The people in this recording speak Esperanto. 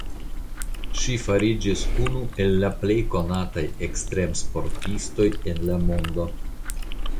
Ŝi fariĝis unu el la plej konataj ekstremsportistoj en la mondo.